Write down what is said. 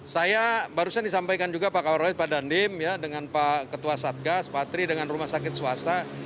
saya barusan disampaikan juga pak kawaros pak dandim ya dengan pak ketua satgas patri dengan rumah sakit swasta